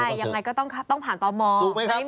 ใช่ยังไงก็ต้องผ่านตม